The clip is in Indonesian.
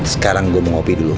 sekarang gua mau kopi dulu